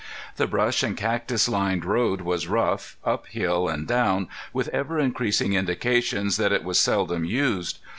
The brush and cactus lined road was rough, up hill and down, with ever increasing indications that it was seldom used.